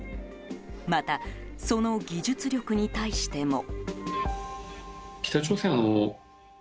また、その技術力に対しても。